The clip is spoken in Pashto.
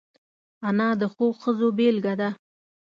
انا د ښو ښځو بېلګه ده